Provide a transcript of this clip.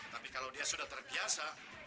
tapi kalau dia sudah terbiasa